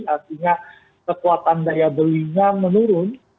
artinya kekuatan daya belinya menurun